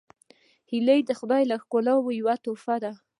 هیلۍ د خدای له ښکلاوو یوه تحفه ده